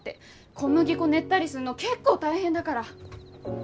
小麦粉練ったりすんの結構大変だから。